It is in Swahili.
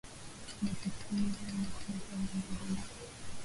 na kushinikiza wanasiasa viongozi na